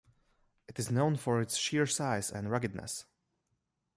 It is known for its sheer size and ruggedness.